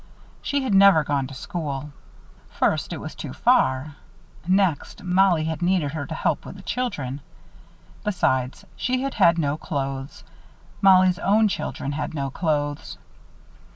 She had never gone to school. First, it was too far. Next, Mollie had needed her to help with the children. Besides she had had no clothes. Mollie's own children had no clothes.